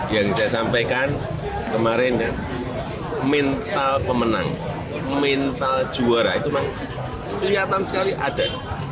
yang saya sampaikan kemarin mental pemenang mental juara itu memang kelihatan sekali ada